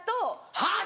「はぁ？」